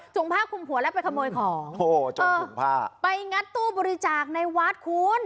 ผ้าคุมหัวแล้วไปขโมยของโอ้โหเจ้าของผ้าไปงัดตู้บริจาคในวัดคุณ